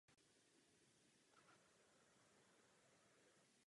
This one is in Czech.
Přejeme si udržitelnou, ekologickou a sociální zemědělskou politiku.